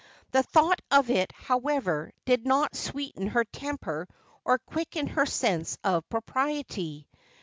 The thought of it, however, did not sweeten her temper or quicken her sense of propriety.